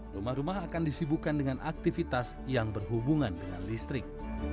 rumah rumah akan disibukan dengan aktivitas yang berhubungan dengan listrik